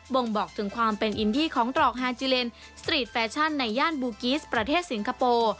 ่งบอกถึงความเป็นอินดี้ของตรอกแฮนจิเลนสตรีทแฟชั่นในย่านบูกิสประเทศสิงคโปร์